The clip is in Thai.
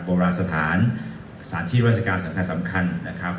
โบราสถานสถานที่ราชการสำคัญ